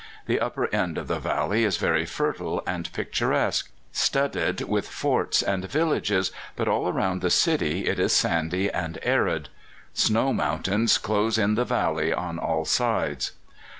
The upper end of the valley is very fertile and picturesque, studded with forts and villages, but all round the city it is sandy and arid. Snow mountains close in the valley on all sides.